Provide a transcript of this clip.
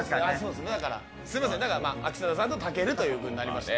すいません、なんか秋定さんとたけるというふうになりました。